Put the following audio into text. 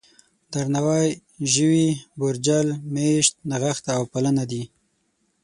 درناوی، ژوي، بورجل، مېشت، نغښته او پالنه دي.